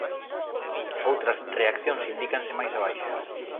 Outras reaccións indícanse máis abaixo.